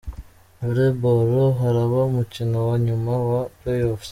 Volleyball, haraba umukino wa nyuma wa Playoff.